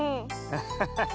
アハハハ。